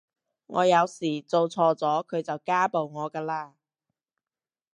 我有時做錯咗佢就家暴我㗎喇